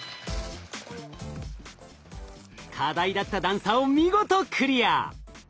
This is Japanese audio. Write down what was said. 課題だった段差を見事クリア！